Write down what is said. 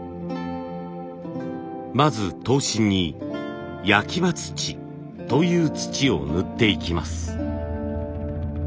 まず刀身に「焼刃土」という土を塗っていきます。